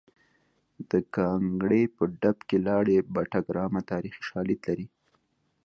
د ګانګړې په ډب کې لاړې بټه ګرامه تاریخي شالید لري